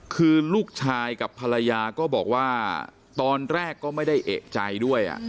คือลูกชายกับภรรยาก็บอกว่าตอนแรกก็ไม่ได้เอกใจด้วย